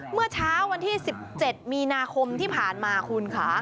เมื่อเช้าวันที่๑๗มีนาคมที่ผ่านมาคุณค่ะ